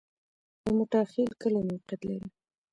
د موټاخیل کلی موقعیت